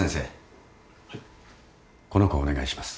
この子をお願いします。